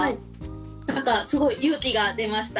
なんかすごい勇気が出ました。